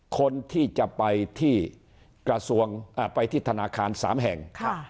คนที่จะไปที่กระทรวงอ่าไปที่ธนาคารสามแห่งค่ะ